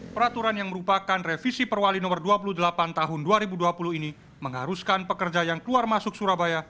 peraturan yang merupakan revisi perwali nomor dua puluh delapan tahun dua ribu dua puluh ini mengharuskan pekerja yang keluar masuk surabaya